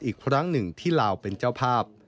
อีกครั้งหนึ่งที่ลาวเป็นเจ้าภาพ